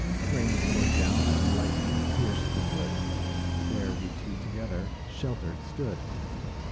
Rain poured down and lightning Pierced the wood; There we two together Sheltered stood.